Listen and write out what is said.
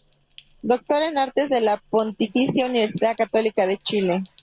Doctor en Artes de la Pontificia Universidad Católica de Chile.